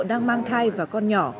đang mang thai và con nhỏ